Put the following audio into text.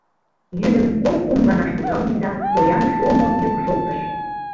Йӱдым кок-кум гына шудалме да тоям шуымо йӱк шоктыш.